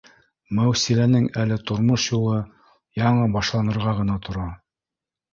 Мәүсиләнең әле тормош юлы яңы башланырға ғына тора